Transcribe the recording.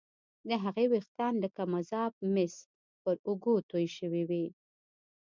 د هغې ويښتان لکه مذاب مس پر اوږو توې شوي وو